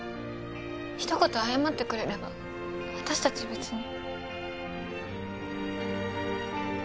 一言謝ってくれれば私たち別に。